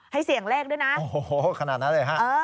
ให้เสี่ยงเลขด้วยนะโอ้โฮขนาดนั้นเลยค่ะโอ้โฮ